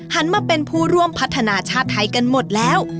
หันมาเป็นผู้ร่วมพัฒนาชาติไทยกันหมดแล้ว